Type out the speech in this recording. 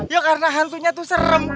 ya karena hantunya tuh serem